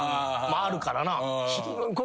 あるからな。